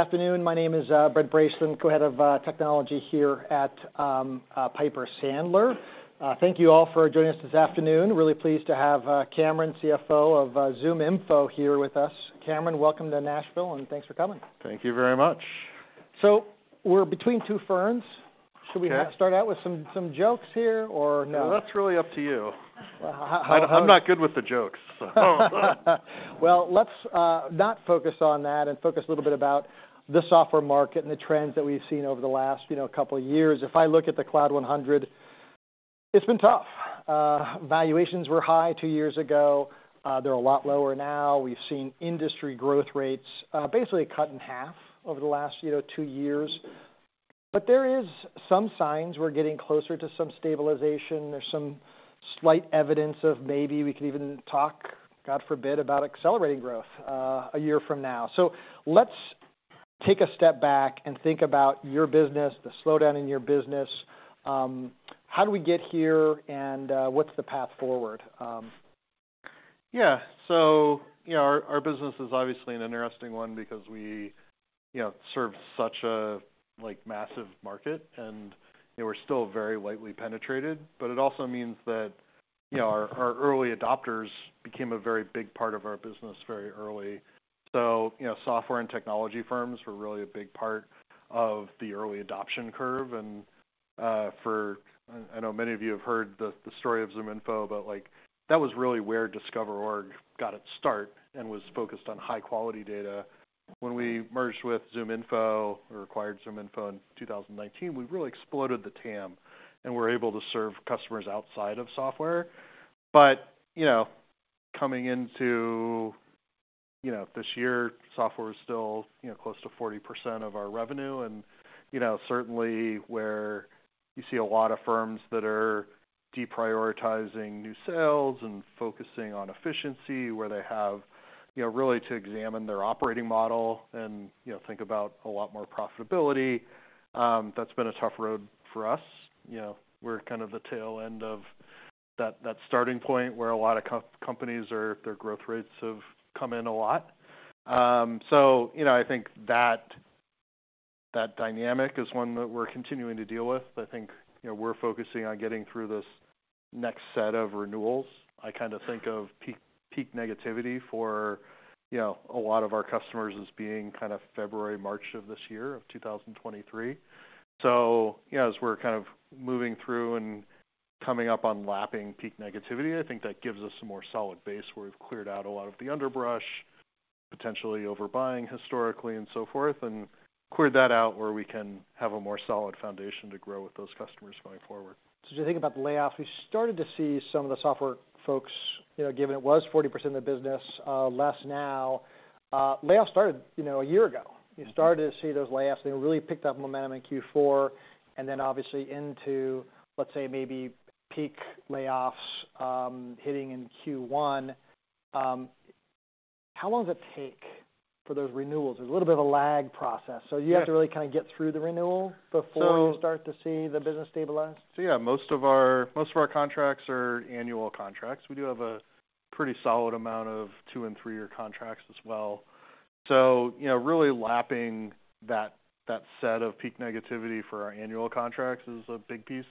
Afternoon, my name is, Brent Bracelin, Co-Head ofTechnology here at Piper Sandler. Thank you all for joining us this afternoon. Really pleased to have, Cameron, CFO of, ZoomInfo, here with us. Cameron, welcome to Nashville, and thanks for coming. Thank you very much. We're between two ferns. Okay. Should we start out with some jokes here or no? Well, that's really up to you. Well, how— I'm not good with the jokes, so. Well, let's not focus on that and focus a little bit about the software market and the trends that we've seen over the last, you know, couple of years. If I look at the Cloud 100, it's been tough. Valuations were high two years ago, they're a lot lower now. We've seen industry growth rates basically cut in half over the last, you know, two years. But there is some signs we're getting closer to some stabilization. There's some slight evidence of maybe we can even talk, God forbid, about accelerating growth a year from now. So let's take a step back and think about your business, the slowdown in your business. How do we get here, and what's the path forward? Yeah. So, you know, our business is obviously an interesting one because we, you know, serve such a, like, massive market, and, you know, we're still very lightly penetrated. But it also means that, you know, our early adopters became a very big part of our business very early. So, you know, software and technology firms were really a big part of the early adoption curve. I know many of you have heard the story of ZoomInfo, but, like, that was really where DiscoverOrg got its start and was focused on high-quality data. When we merged with ZoomInfo, or acquired ZoomInfo in 2019, we really exploded the TAM and were able to serve customers outside of software. But, you know, coming into, you know, this year, software is still, you know, close to 40% of our revenue. You know, certainly where you see a lot of firms that are deprioritizing new sales and focusing on efficiency, where they have, you know, really to examine their operating model and, you know, think about a lot more profitability, that's been a tough road for us. You know, we're kind of the tail end of that, that starting point where a lot of companies are-- their growth rates have come in a lot. So, you know, I think that, that dynamic is one that we're continuing to deal with. I think, you know, we're focusing on getting through this next set of renewals. I kind of think of peak negativity for, you know, a lot of our customers as being kind of February, March of this year, of 2023. So, you know, as we're kind of moving through and coming up on lapping peak negativity, I think that gives us a more solid base, where we've cleared out a lot of the underbrush, potentially overbuying historically and so forth, and cleared that out, where we can have a more solid foundation to grow with those customers going forward. So as you think about the layoffs, we started to see some of the software folks, you know, given it was 40% of the business, less now. Layoffs started, you know, a year ago. You started to see those layoffs, and they really picked up momentum in Q4, and then obviously into, let's say, maybe peak layoffs, hitting in Q1. How long does it take for those renewals? There's a little bit of a lag process- Yes. so you have to really kind of get through the renewal before- So- You start to see the business stabilize? So yeah, most of our, most of our contracts are annual contracts. We do have a pretty solid amount of two- and three-year contracts as well. So, you know, really lapping that, that set of peak negativity for our annual contracts is a big piece.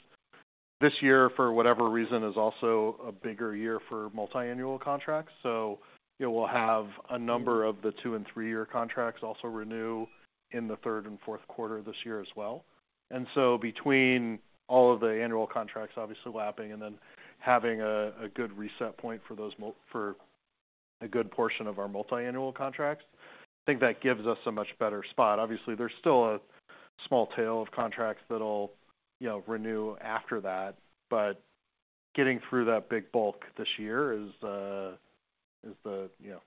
This year, for whatever reason, is also a bigger year for multi-annual contracts, so, you know, we'll have a number of the two- and three-year contracts also renew in the third and fourth quarter this year as well. And so between all of the annual contracts obviously lapping and then having a good reset point for a good portion of our multi-annual contracts, I think that gives us a much better spot. Obviously, there's still a small tail of contracts that'll, you know, renew after that, but getting through that big bulk this year is the, you know,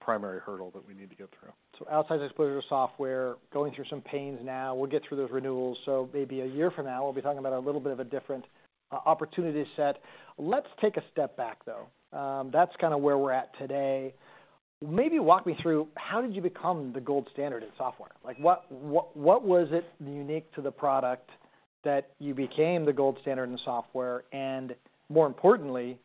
primary hurdle that we need to get through. So outside the exposure to software, going through some pains now, we'll get through those renewals. So maybe a year from now, we'll be talking about a little bit of a different opportunity set. Let's take a step back, though. That's kind of where we're at today. Maybe walk me through, how did you become the gold standard in software? Like, what, what, what was it unique to the product that you became the gold standard in the software? And more importantly,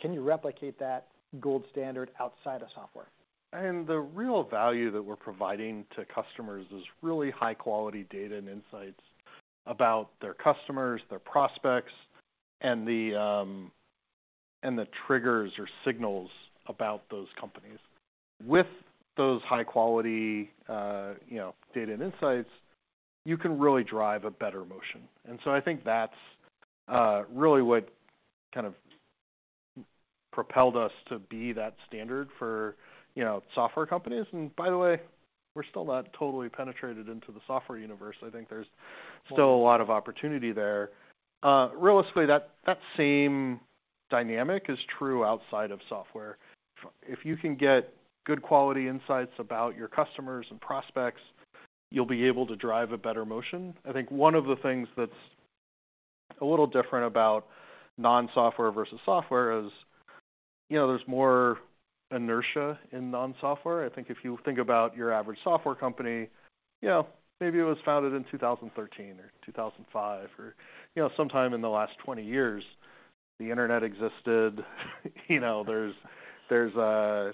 can you replicate that gold standard outside of software? And the real value that we're providing to customers is really high-quality data and insights about their customers, their prospects, and the, and the triggers or signals about those companies. With those high-quality, you know, data and insights, you can really drive a better motion. And so I think that's really what kind of propelled us to be that standard for, you know, software companies. And by the way, we're still not totally penetrated into the software universe. I think there's still a lot of opportunity there. Realistically, that same dynamic is true outside of software. If you can get good quality insights about your customers and prospects, you'll be able to drive a better motion. I think one of the things that's a little different about non-software versus software is, you know, there's more inertia in non-software. I think if you think about your average software company, you know, maybe it was founded in 2013 or 2005 or, you know, sometime in the last 20 years, the internet existed. You know, there's a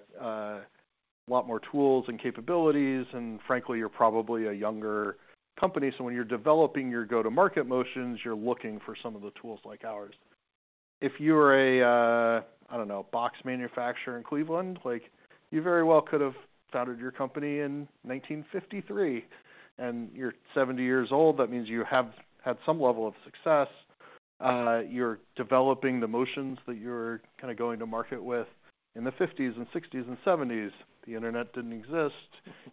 lot more tools and capabilities, and frankly, you're probably a younger company, so when you're developing your go-to-market motions, you're looking for some of the tools like ours. If you are a, I don't know, box manufacturer in Cleveland, like, you very well could have founded your company in 1953, and you're 70 years old, that means you have had some level of success. You're developing the motions that you're kind of going to market with. In the 1950s and 1960s and 1970s, the internet didn't exist.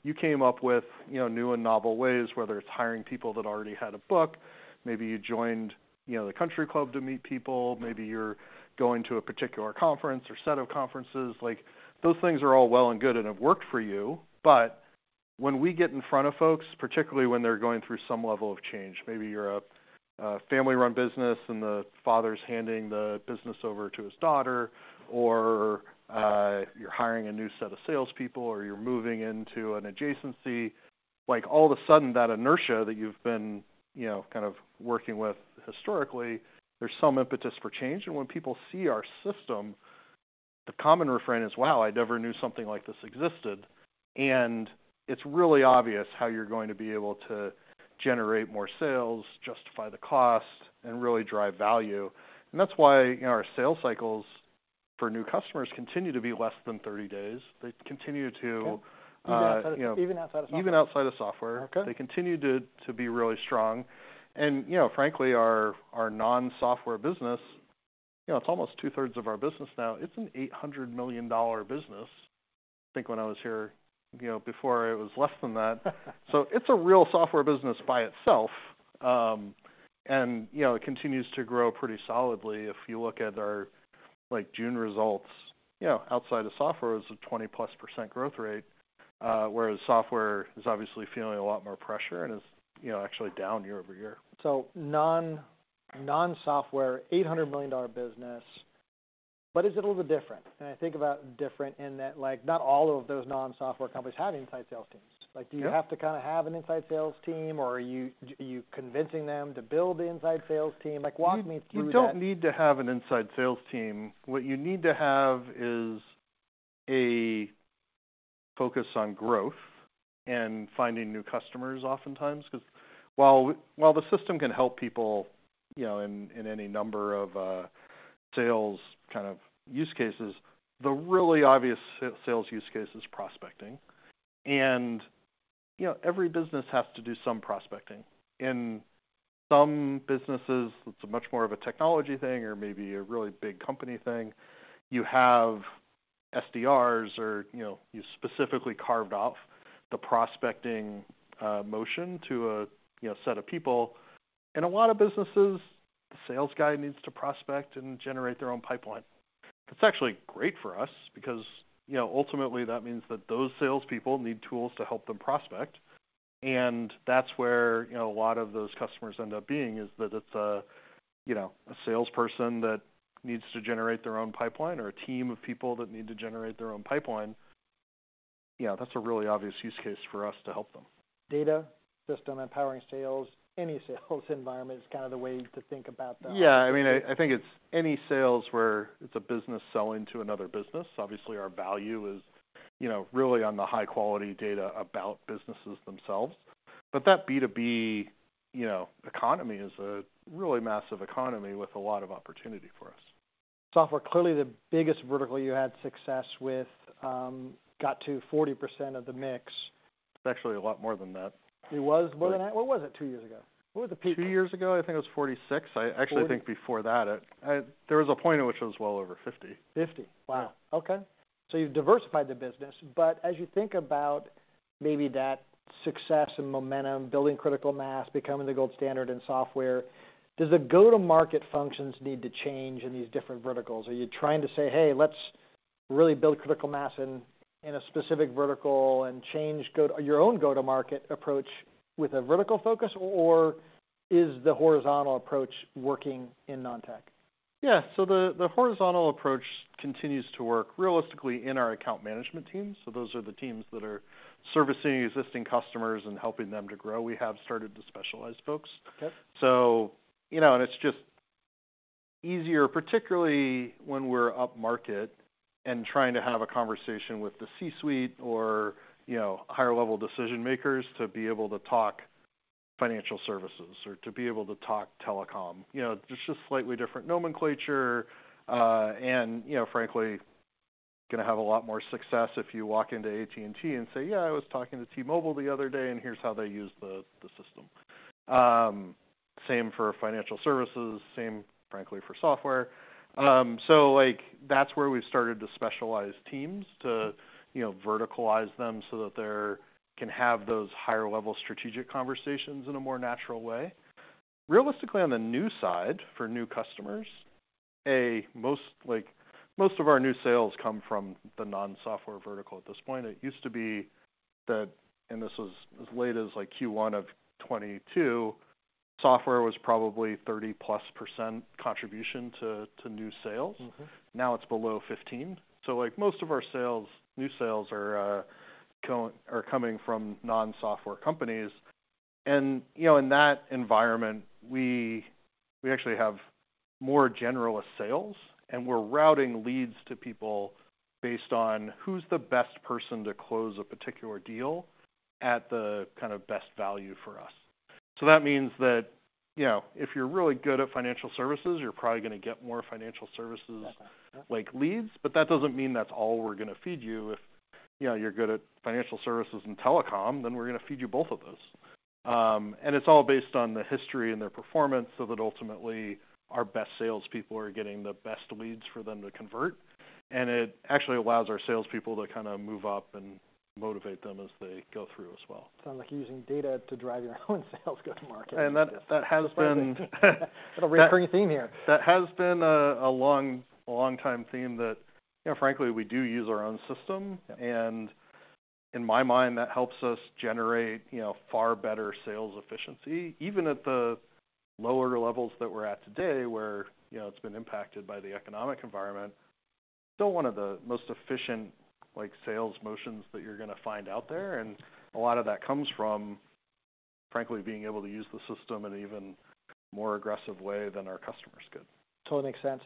You came up with, you know, new and novel ways, whether it's hiring people that already had a book, maybe you joined, you know, the country club to meet people, maybe you're going to a particular conference or set of conferences. Like, those things are all well and good and have worked for you, but when we get in front of folks, particularly when they're going through some level of change, maybe you're a family-run business and the father's handing the business over to his daughter, or you're hiring a new set of salespeople, or you're moving into an adjacency, like, all of a sudden, that inertia that you've been, you know, kind of working with historically, there's some impetus for change. And when people see our system, the common refrain is, "Wow, I never knew something like this existed." And it's really obvious how you're going to be able to generate more sales, justify the cost, and really drive value. And that's why, you know, our sales cycles for new customers continue to be less than 30 days. They continue to Even outside of software? Even outside of software. Okay. They continue to be really strong. And, you know, frankly, our non-software business, you know, it's almost two-thirds of our business now. It's an $800 million business. I think when I was here, you know, before, it was less than that. So it's a real software business by itself. And, you know, it continues to grow pretty solidly. If you look at our, like, June results, you know, outside of software, it was a 20%+ growth rate, whereas software is obviously feeling a lot more pressure and is, you know, actually down year-over-year. So non-software, $800 million business, what is a little bit different? And I think about different in that, like, not all of those non-software companies have inside sales teams. Yeah. Like, do you have to kind of have an inside sales team, or are you convincing them to build the inside sales team? Like, walk me through that. You don't need to have an inside sales team. What you need to have is a focus on growth and finding new customers oftentimes, 'cause while the system can help people, you know, in any number of sales kind of use cases, the really obvious sales use case is prospecting. You know, every business has to do some prospecting. In some businesses, it's much more of a technology thing or maybe a really big company thing. You have SDRs or, you know, you specifically carved off the prospecting motion to a, you know, set of people. In a lot of businesses, the sales guy needs to prospect and generate their own pipeline. It's actually great for us because, you know, ultimately, that means that those salespeople need tools to help them prospect, and that's where, you know, a lot of those customers end up being, is that it's a, you know, a salesperson that needs to generate their own pipeline or a team of people that need to generate their own pipeline. Yeah, that's a really obvious use case for us to help them. Data system, empowering sales, any sales environment is kind of the way to think about the- Yeah, I mean, I, I think it's any sales where it's a business selling to another business. Obviously, our value is, you know, really on the high-quality data about businesses themselves. But that B2B, you know, economy is a really massive economy with a lot of opportunity for us. Software, clearly the biggest vertical you had success with, got to 40% of the mix. It's actually a lot more than that. It was more than that? What was it two years ago? What were the peaks? two years ago, I think it was 46. 40- I actually think before that, there was a point at which it was well over 50. 50? Yeah. Wow! Okay. So you've diversified the business, but as you think about maybe that success and momentum, building critical mass, becoming the gold standard in software, does the go-to-market functions need to change in these different verticals? Are you trying to say, "Hey, let's really build critical mass in a specific vertical and change your own go-to-market approach with a vertical focus, or is the horizontal approach working in non-tech? Yeah. So the horizontal approach continues to work realistically in our account management teams, so those are the teams that are servicing existing customers and helping them to grow. We have started to specialize folks. Okay. So, you know, and it's just easier, particularly when we're up market and trying to have a conversation with the C-suite or, you know, higher-level decision makers, to be able to talk financial services or to be able to talk telecom. You know, there's just slightly different nomenclature, and, you know, frankly, gonna have a lot more success if you walk into AT&T and say, "Yeah, I was talking to T-Mobile the other day, and here's how they use the system." Same for financial services, same, frankly, for software. So, like, that's where we've started to specialize teams to, you know, verticalize them so that they can have those higher-level strategic conversations in a more natural way. Realistically, on the new side, for new customers, most of our new sales come from the non-software vertical at this point. It used to be that, and this was as late as, like, Q1 of 2022, software was probably 30%+ contribution to new sales. Now it's below 15. So, like, most of our sales, new sales are coming from non-software companies. And, you know, in that environment, we actually have more generalist sales, and we're routing leads to people based on who's the best person to close a particular deal at the kind of best value for us. So that means that, you know, if you're really good at financial services, you're probably gonna get more financial services like leads, but that doesn't mean that's all we're gonna feed you. If, you know, you're good at financial services and telecom, then we're gonna feed you both of those. It's all based on the history and their performance, so that ultimately, our best salespeople are getting the best leads for them to convert, and it actually allows our salespeople to kind of move up and motivate them as they go through as well. Sounds like you're using data to drive your own sales go-to-market. And that, that has been- That's a recurring theme here. That has been a long time theme that, you know, frankly, we do use our own system. In my mind, that helps us generate, you know, far better sales efficiency. Even at the lower levels that we're at today, where, you know, it's been impacted by the economic environment, still one of the most efficient, like, sales motions that you're gonna find out there, and a lot of that comes from, frankly, being able to use the system in an even more aggressive way than our customers could. Totally makes sense.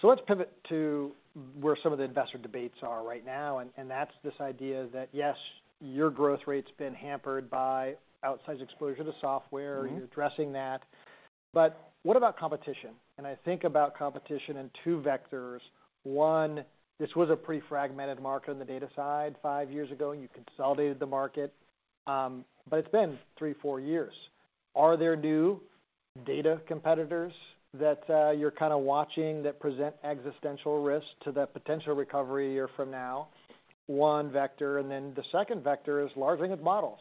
So let's pivot to where some of the investor debates are right now, and, and that's this idea that, yes, your growth rate's been hampered by outsized exposure to software you're addressing that, but what about competition? I think about competition in two vectors: one, this was a pretty fragmented market on the data side five years ago, and you consolidated the market. But it's been three, four years. Are there new data competitors that you're kind of watching that present existential risk to that potential recovery a year from now, one vector, and then the second vector is large language models.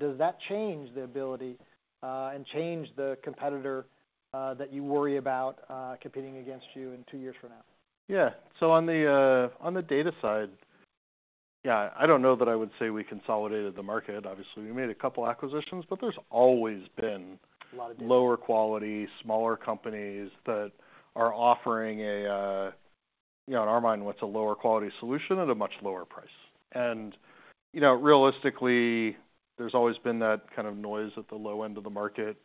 Does that change the ability, and change the competitor, that you worry about, competing against you in two years from now? Yeah. So on the data side, yeah, I don't know that I would say we consolidated the market. Obviously, we made a couple acquisitions, but there's always been- A lot of data. lower quality, smaller companies that are offering a, you know, in our mind, what's a lower quality solution at a much lower price. And, you know, realistically, there's always been that kind of noise at the low end of the market.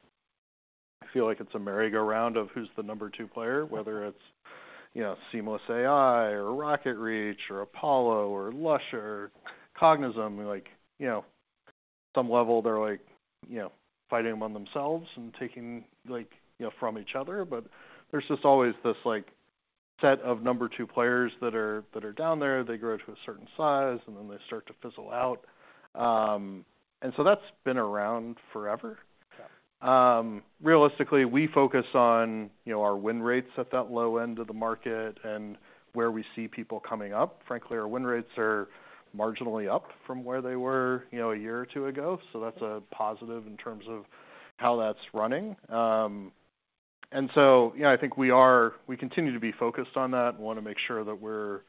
I feel like it's a merry-go-round of who's the number two player, whether it's, you know, Seamless.AI or RocketReach or Apollo or Lusha or Cognism. Like, you know, some level, they're like, you know, fighting among themselves and taking like, you know, from each other. But there's just always this, like, set of number two players that are, that are down there. They grow to a certain size, and then they start to fizzle out. And so that's been around forever. Yeah. Realistically, we focus on, you know, our win rates at that low end of the market and where we see people coming up. Frankly, our win rates are marginally up from where they were, you know, a year or two ago, so that's a positive in terms of how that's running. And so, you know, I think we continue to be focused on that and want to make sure that we're,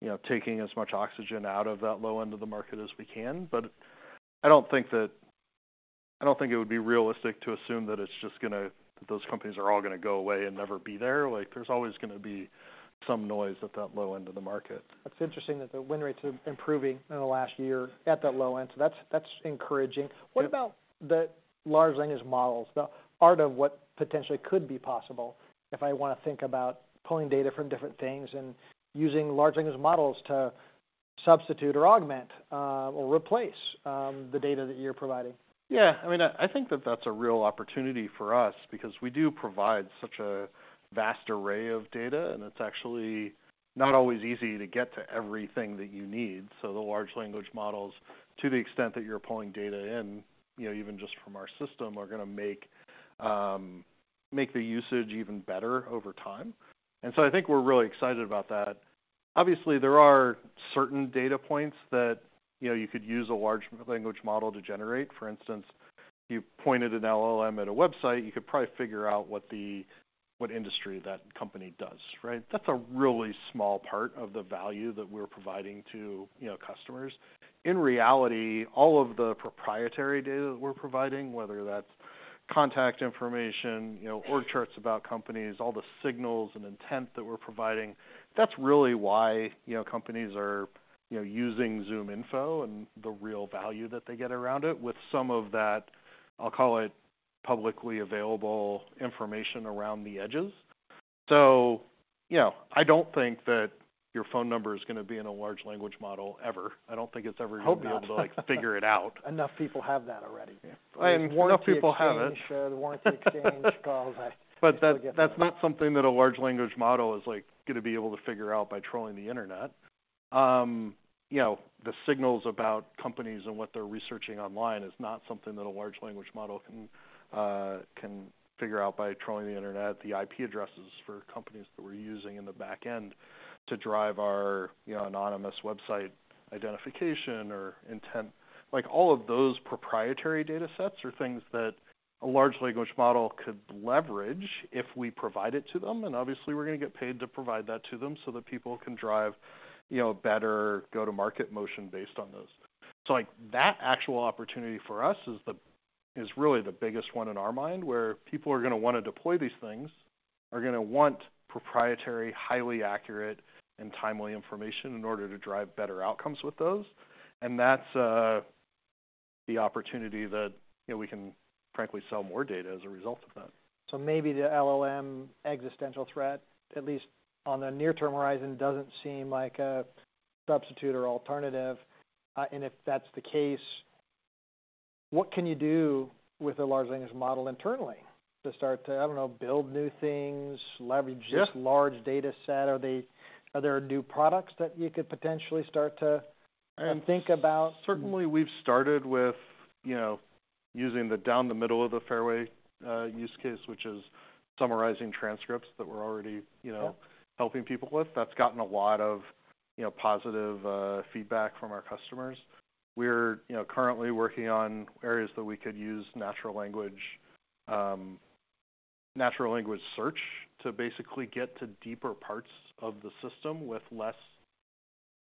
you know, taking as much oxygen out of that low end of the market as we can. But I don't think that... I don't think it would be realistic to assume that it's just gonna, that those companies are all gonna go away and never be there. Like, there's always gonna be some noise at that low end of the market. That's interesting that the win rates are improving in the last year at that low end, so that's encouraging. What about the large language models, the art of what potentially could be possible if I want to think about pulling data from different things and using large language models to substitute or augment or replace the data that you're providing? Yeah. I mean, I, I think that that's a real opportunity for us because we do provide such a vast array of data, and it's actually not always easy to get to everything that you need. So the large language models, to the extent that you're pulling data in, you know, even just from our system, are gonna make make the usage even better over time. And so I think we're really excited about that. Obviously, there are certain data points that, you know, you could use a large language model to generate. For instance, if you pointed an LLM at a website, you could probably figure out what the- what industry that company does, right? That's a really small part of the value that we're providing to, you know, customers. In reality, all of the proprietary data that we're providing, whether that's contact information, you know, org charts about companies, all the signals and intent that we're providing, that's really why, you know, companies are, you know, using ZoomInfo and the real value that they get around it, with some of that, I'll call it, publicly available information around the edges. So, you know, I don't think that your phone number is gonna be in a large language model ever. I don't think it's ever- I hope not. Gonna be able to, like, figure it out. Enough people have that already. Yeah. Enough people have it. The warranty exchange calls I still get. But that, that's not something that a large language model is, like, gonna be able to figure out by trolling the internet. You know, the signals about companies and what they're researching online is not something that a large language model can, can figure out by trolling the internet. The IP addresses for companies that we're using in the back end to drive our, you know, anonymous website identification or intent, like, all of those proprietary data sets are things that a large language model could leverage if we provide it to them, and obviously, we're gonna get paid to provide that to them so that people can drive, you know, better go-to-market motion based on those. So, like, that actual opportunity for us is really the biggest one in our mind, where people are gonna wanna deploy these things.... are going to want proprietary, highly accurate and timely information in order to drive better outcomes with those. And that's the opportunity that, you know, we can frankly, sell more data as a result of that. So maybe the LLM existential threat, at least on the near-term horizon, doesn't seem like a substitute or alternative. And if that's the case, what can you do with a large language model internally to start to, I don't know, build new things, leverage- Yeah this large data set? Are there new products that you could potentially start to think about? Certainly, we've started with, you know, using the down the middle of the fairway, use case, which is summarizing transcripts that we're already, you know- Yeah helping people with. That's gotten a lot of, you know, positive feedback from our customers. We're, you know, currently working on areas that we could use natural language search to basically get to deeper parts of the system with less,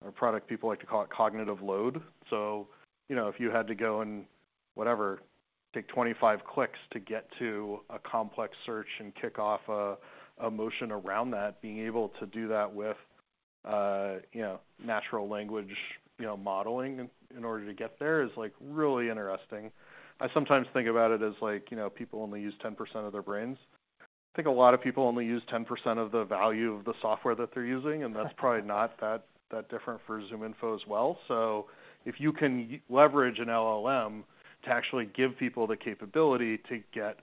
our product people like to call it, cognitive load. So, you know, if you had to go and, whatever, take 25 clicks to get to a complex search and kick off a motion around that, being able to do that with, you know, natural language, you know, modeling in order to get there is, like, really interesting. I sometimes think about it as like, you know, people only use 10% of their brains. I think a lot of people only use 10% of the value of the software that they're using, and that's- Right probably not that, that different for ZoomInfo as well. So if you can leverage an LLM to actually give people the capability to get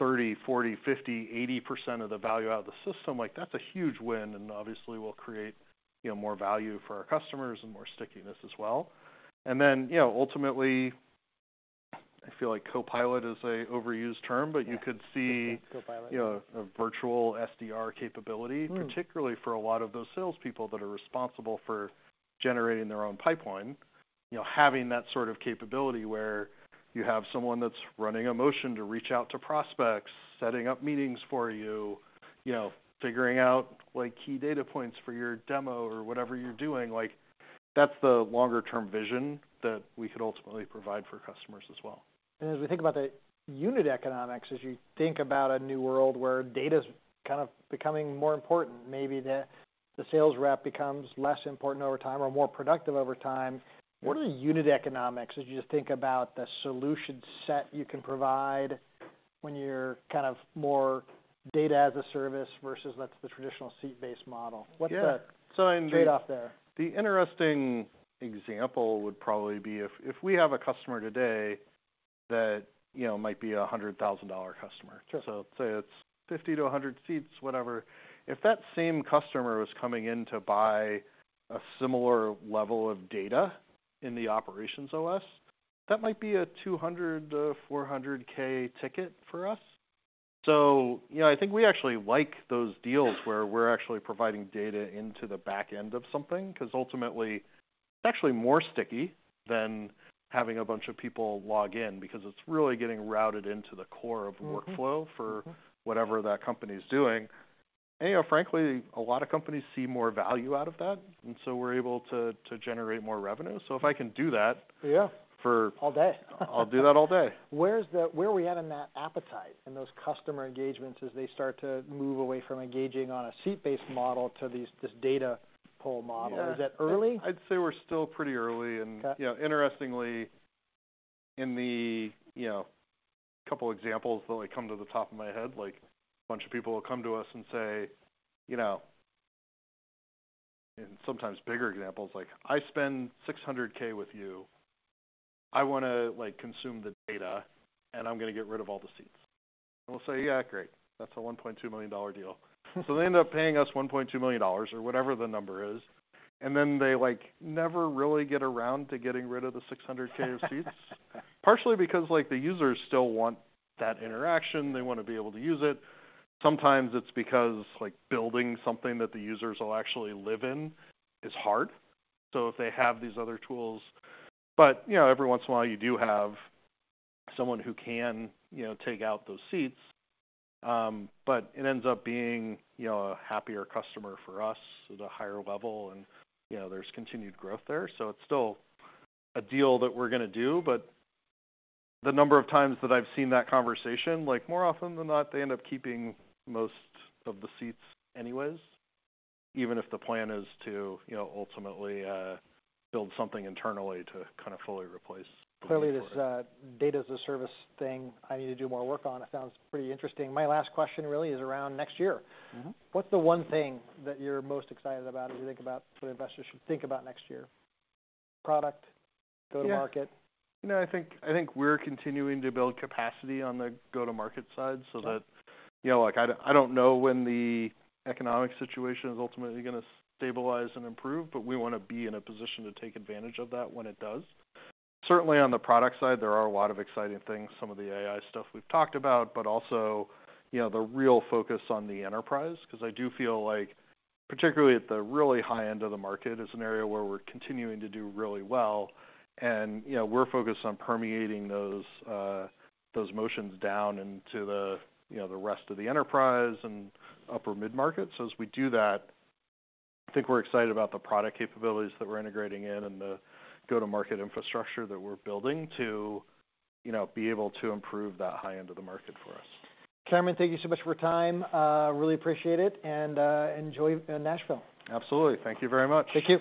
30%, 40%, 50%, 80% of the value out of the system, like, that's a huge win, and obviously will create, you know, more value for our customers and more stickiness as well. And then, you know, ultimately, I feel like copilot is an overused term, but you could see- Yeah, copilot you know, a virtual SDR capability particularly for a lot of those salespeople that are responsible for generating their own pipeline. You know, having that sort of capability where you have someone that's running a motion to reach out to prospects, setting up meetings for you, you know, figuring out, like, key data points for your demo or whatever you're doing, like, that's the longer term vision that we could ultimately provide for customers as well. As we think about the unit economics, as you think about a new world where data's kind of becoming more important, maybe the sales rep becomes less important over time or more productive over time. What are the unit economics, as you just think about the solution set you can provide when you're kind of more data-as-a-service versus that's the traditional seat-based model? Yeah. What's the trade-off there? The interesting example would probably be if, if we have a customer today that, you know, might be a $100,000 customer. Sure. So say it's 50-100 seats, whatever. If that same customer was coming in to buy a similar level of data in the OperationOS, that might be a $200,000-$400,000 ticket for us. So, you know, I think we actually like those deals where we're actually providing data into the back end of something, 'cause ultimately, it's actually more sticky than having a bunch of people log in, because it's really getting routed into the core of workflow for whatever that company's doing. And, you know, frankly, a lot of companies see more value out of that, and so we're able to generate more revenue. So if I can do that- Yeah for- All day. I'll do that all day. Where are we at in that appetite and those customer engagements as they start to move away from engaging on a seat-based model to these, this data pull model? Yeah. Is that early? I'd say we're still pretty early, and- Okay you know, interestingly, in the, you know, couple examples that, like, come to the top of my head, like, a bunch of people will come to us and say, "You know," and sometimes bigger examples, like, "I spend $600,000 with you. I wanna, like, consume the data, and I'm gonna get rid of all the seats." And we'll say: Yeah, great. That's a $1.2 million deal. So they end up paying us $1.2 million or whatever the number is, and then they, like, never really get around to getting rid of the $600,000 of seats. Partially because, like, the users still want that interaction. They wanna be able to use it. Sometimes it's because, like, building something that the users will actually live in is hard, so if they have these other tools. But, you know, every once in a while you do have someone who can, you know, take out those seats, but it ends up being, you know, a happier customer for us at a higher level, and, you know, there's continued growth there. So it's still a deal that we're gonna do, but the number of times that I've seen that conversation, like, more often than not, they end up keeping most of the seats anyways, even if the plan is to, you know, ultimately, build something internally to kind of fully replace. Clearly, this data-as-a-service thing I need to do more work on. It sounds pretty interesting. My last question really is around next year. What's the one thing that you're most excited about as you think about what investors should think about next year? Product, go-to market? Yeah. You know, I think, I think we're continuing to build capacity on the go-to-market side- Sure so that, you know, like, I, I don't know when the economic situation is ultimately gonna stabilize and improve, but we wanna be in a position to take advantage of that when it does. Certainly on the product side, there are a lot of exciting things, some of the AI stuff we've talked about, but also, you know, the real focus on the enterprise, 'cause I do feel like, particularly at the really high end of the market, is an area where we're continuing to do really well. And, you know, we're focused on permeating those those motions down into the, you know, the rest of the enterprise and upper mid-market. So as we do that, I think we're excited about the product capabilities that we're integrating in and the go-to-market infrastructure that we're building to, you know, be able to improve that high end of the market for us. Cameron, thank you so much for your time. Really appreciate it, and enjoy Nashville. Absolutely. Thank you very much. Take care.